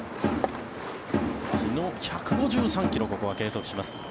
１５３ｋｍここは計測します。